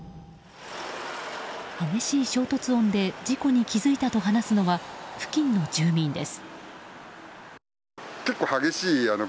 激しい衝突音で事故に気付いたと話すのは付近の住民です。